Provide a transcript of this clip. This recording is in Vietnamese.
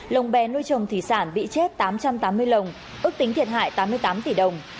lồng bé nuôi trồng thủy sản bị chết tám trăm tám mươi lồng ước tính thiệt hại tám mươi tám tỷ đồng